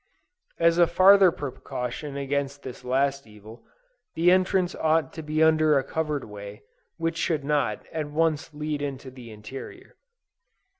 As a farther precaution against this last evil, the entrance ought to be under a covered way, which should not, at once lead into the interior.